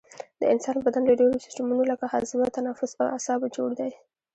د انسان بدن له ډیرو سیستمونو لکه هاضمه تنفس او اعصابو جوړ دی